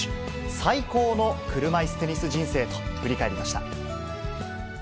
最高の車いすテニス人生と振り返りました。